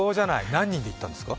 何人で行ったんですか？